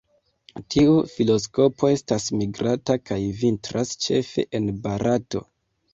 Tiu filoskopo estas migranta kaj vintras ĉefe en Barato.